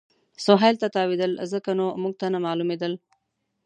سهېل ته تاوېدل، ځکه نو موږ ته نه معلومېدل.